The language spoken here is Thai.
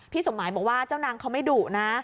สมหมายบอกว่าเจ้านางเขาไม่ดุนะ